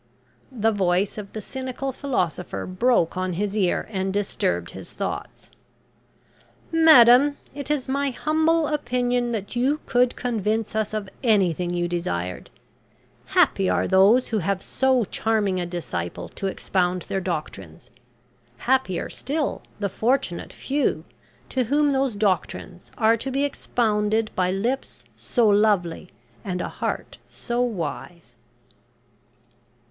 The voice of the cynical philosopher broke on his ear and disturbed his thoughts. "Madame, it is my humble opinion that you could convince us of anything you desired. Happy are those who have so charming a disciple to expound their doctrines, happier still the fortunate few to whom those doctrines are to be expounded by lips so lovely and a heart so wise."